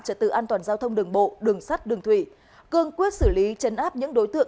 trật tự an toàn giao thông đường bộ đường sắt đường thủy cương quyết xử lý chấn áp những đối tượng